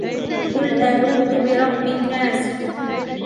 قُلْ أَعُوذُ بِرَبِّ النَّاسِ